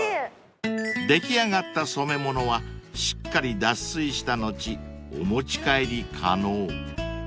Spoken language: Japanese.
［出来上がった染め物はしっかり脱水した後お持ち帰り可能］